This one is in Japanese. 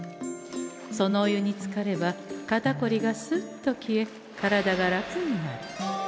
そのお湯につかれば肩こりがスッと消え体が楽になる。